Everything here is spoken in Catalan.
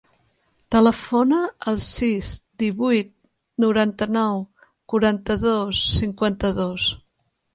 Telefona al sis, divuit, noranta-nou, quaranta-dos, cinquanta-dos.